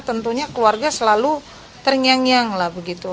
tentunya keluarga selalu terngiang ngiang lah begitu